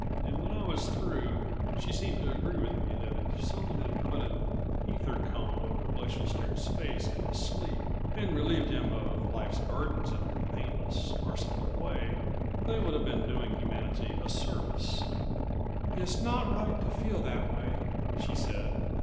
And when I was through she seemed to agree with me that if someone had put an ether cone over Glacial Stare's face in his sleep and relieved him of life's burdens in a painless, merciful way they would have been doing humanity a service. "It's not right to feel that way," she said.